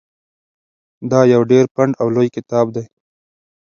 دا یو ډېر پنډ او لوی کتاب دی.